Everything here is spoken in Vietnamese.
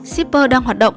shipper đang hoạt động